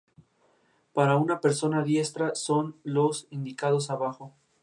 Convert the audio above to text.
Batlle y Ordoñez..